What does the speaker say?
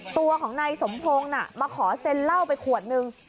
ตัวของนายสมพงศ์มาขอเซ็นเหล้าไปขวดนึง